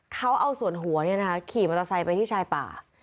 เขาเอาส่วนหัวขี่มอเตอร์ไซค์ไปที่ชายป่า